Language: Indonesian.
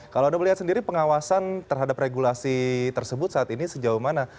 kalau anda melihat sendiri pengawasan terhadap regulasi tersebut saat ini sejauh mana